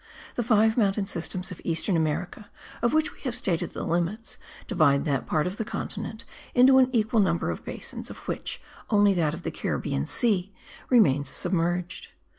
The five mountain systems of eastern America, of which we have stated the limits, divide that part of the continent into an equal number of basins of which only that of the Caribbean Sea remains submerged.